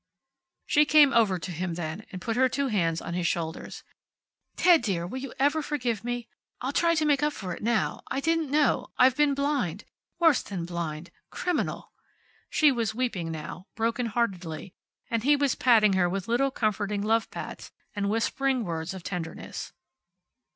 She came over to him then, and put her two hands on his shoulders. "Ted dear will you ever forgive me? I'll try to make up for it now. I didn't know. I've been blind. Worse than blind. Criminal." She was weeping now, broken heartedly, and he was patting her with little comforting love pats, and whispering words of tenderness.